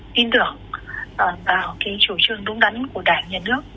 tin tưởng vào cái chủ trương đúng đắn của đảng nhà nước